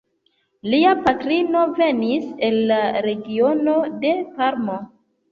Lia patrino venis el la regiono de Parmo.